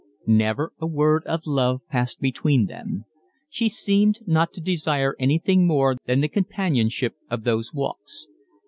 Never a word of love passed between them. She seemed not to desire anything more than the companionship of those walks.